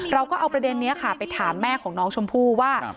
เราก็เอาประเด็นนี้ค่ะไปถามแม่ของน้องชมพู่ว่า